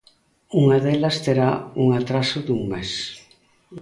Unha delas terá un atraso dun mes.